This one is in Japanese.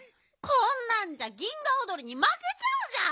こんなんじゃ銀河おどりにまけちゃうじゃん！